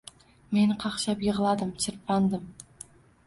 Men qaqshab yigʻladim, chirpandim